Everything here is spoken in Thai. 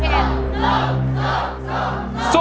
สู้สู้สู้